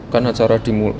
kan acara dimulai